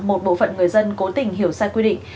một bộ phận người dân cố tình hiểu sai quy định